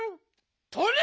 とりゃ！